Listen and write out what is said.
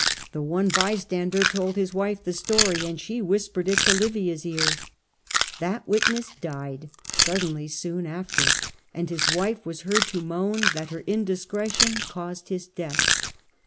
The one bystander told his wife the story, and she whispered it to Livia's ear. That witness died suddenly soon after, and his wife was heard to moan that her indiscretion caused his death.